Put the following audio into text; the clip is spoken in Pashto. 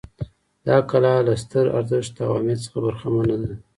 دا کلا له ستر ارزښت او اهمیت څخه برخمنه ده.